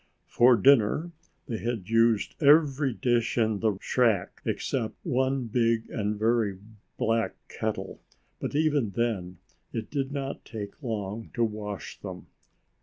For dinner, they had used every dish in the shack, except one big and very black kettle, but even then it did not take long to wash them.